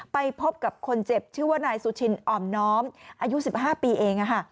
ไปพบกับคนเจ็บชื่อว่านายสุชินอ่อมน้อมอายุ๑๕ปีเอง